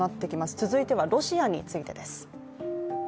続いてはロシアについてです。